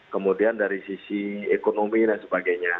kemudian dari sisi ekonomi dan sebagainya